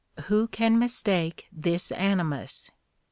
Who can mistake this animus?